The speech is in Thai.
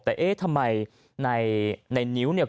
แต่เอ๊ะทำไมในนิ้วเนี่ย